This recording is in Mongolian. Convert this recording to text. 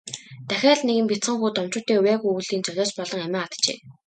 Дахиад л нэгэн бяцхан хүү томчуудын увайгүй үйлдлийн золиос болон амиа алджээ.